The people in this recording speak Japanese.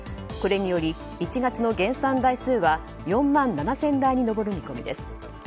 これにより１月の減産台数は４万７０００台に上る見込みです。